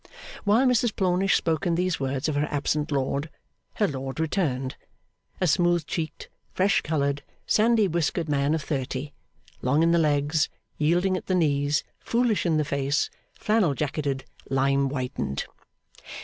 While Mrs Plornish spoke in these words of her absent lord, her lord returned. A smooth cheeked, fresh coloured, sandy whiskered man of thirty. Long in the legs, yielding at the knees, foolish in the face, flannel jacketed, lime whitened.